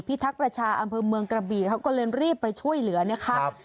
ทักษ์ประชาอำเภอเมืองกระบี่เขาก็เลยรีบไปช่วยเหลือนะครับ